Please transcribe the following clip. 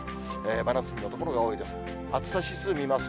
真夏日の所が多いです。